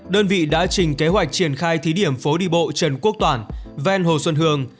đơn vị đã trình kế hoạch triển khai thí điểm phố đi bộ trần quốc toản ven hồ xuân hương